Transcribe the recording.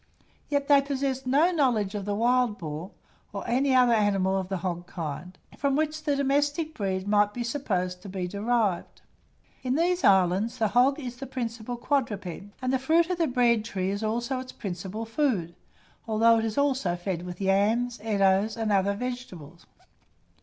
Yet they possessed no knowledge of the wild boar, or any other animal of the hog kind, from which the domestic breed might be supposed to be derived. In these islands the hog is the principal quadruped, and the fruit of the bread tree is its principal food, although it is also fed with yams, eddoes, and other vegetables.